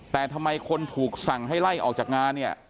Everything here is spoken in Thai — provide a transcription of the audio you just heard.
แต่ทำไมคนถูกสั่งให้ไล่ออกจากงานเนี่ย